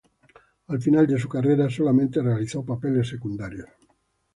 Al final de su carrera solamente realizó papeles secundarios.